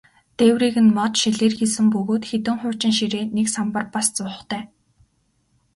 Дээврийг нь мод, шилээр хийсэн бөгөөд хэдэн хуучин ширээ, нэг самбар, бас зуухтай.